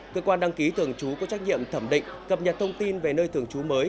cơ quan đăng ký thường trú có trách nhiệm thẩm định cập nhật thông tin về nơi thường trú mới